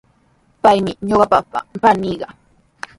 Paymi ñuqaqapa paniiqa.